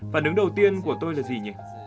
phản ứng đầu tiên của tôi là gì nhỉ